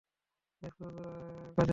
Mace, কতদূর কাজ হলো?